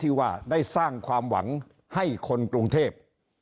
ที่ว่าได้สร้างความหวังให้คนกรุงเทพ